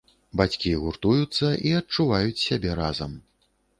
Бацькі гуртуюцца і адчуваюць сябе разам.